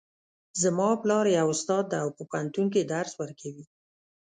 زما پلار یو استاد ده او په پوهنتون کې درس ورکوي